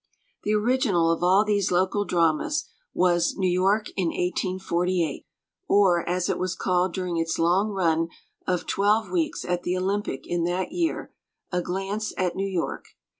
] The original of all these local dramas was New York in 1848, or, as it was called during its long run of twelve weeks at the Olympic in that year, A Glance at New York.